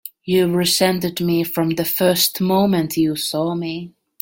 You've resented me from the first moment you saw me!